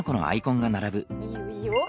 いいよいいよ。